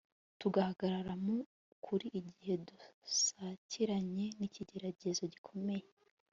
tugahagarara mu kuri igihe dusakiranye n'ikigeragezo gikomeye